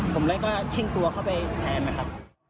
ผมเลยก็ชิ่งตัวเข้าไปแทนนะครับ